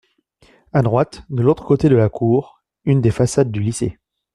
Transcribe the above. A droite, de l’autre côté de la cour, une des façades du lycée.